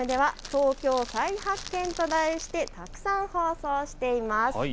東京再発見と題してたくさん放送しています。